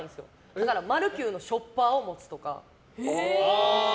だからマルキューのショッパーを持つとか。